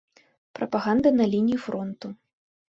Прапаганда на лініі фронту.